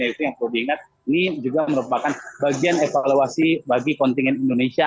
ini juga merupakan bagian evaluasi bagi kontingen indonesia